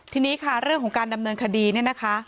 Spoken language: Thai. ทีนี้ค่ะเรื่องของการดำเนินคดีเนี่ยนะคะ